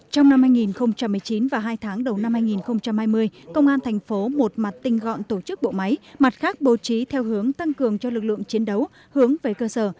trong năm hai nghìn một mươi chín và hai tháng đầu năm hai nghìn hai mươi công an thành phố một mặt tinh gọn tổ chức bộ máy mặt khác bố trí theo hướng tăng cường cho lực lượng chiến đấu hướng về cơ sở